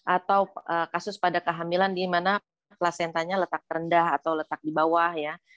atau kasus pada kehamilan di mana placentanya letak rendah atau letak di bawah ya